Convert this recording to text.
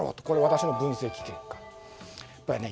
これは私の分析結果です。